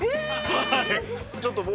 はい。